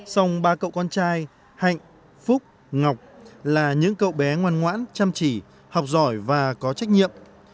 xong ba cậu con trai hạnh phúc ngọc là những cậu bé ngoan ngoãn chăm chỉ học giỏi và có trách nhiệm